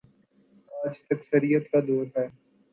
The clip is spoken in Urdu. آج تکثیریت کا دور ہے۔